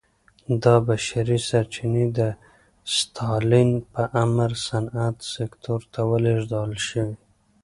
دا بشري سرچینې د ستالین په امر صنعت سکتور ته ولېږدول شوې